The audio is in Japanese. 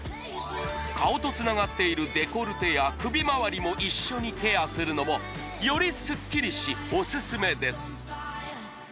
顔とつながっているデコルテや首まわりも一緒にケアするのもよりすっきりしおすすめです